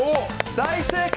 大正解。